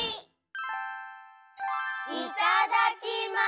いただきます！